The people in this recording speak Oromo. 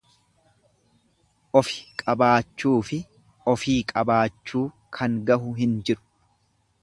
Ofi qabaachuufi ofii jabaachuu kan gahu hin jiru.